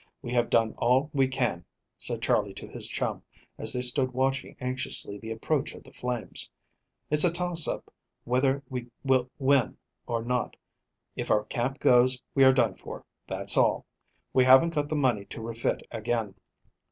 "We have done all we can," said Charley to his chum, as they stood watching anxiously the approach of the flames. "It's a toss up whether we will win or not. If our camp goes, we are done for, that's all. We haven't got the money to refit again.